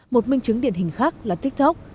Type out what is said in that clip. một minh chứng điển hình khác là tiktok